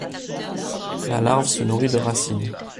La larve se nourrit de racines.